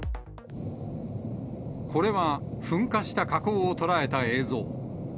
これは噴火した火口を捉えた映像。